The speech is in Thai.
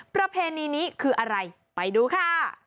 ประเพณีนี้คืออะไรไปดูค่ะ